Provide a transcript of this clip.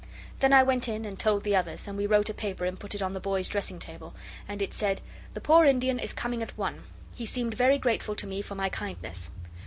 Then I went in and told the others, and we wrote a paper and put it on the boy's dressing table, and it said 'The poor Indian is coming at one. He seemed very grateful to me for my kindness.